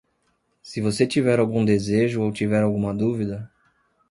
Se você tiver algum desejo ou tiver alguma dúvida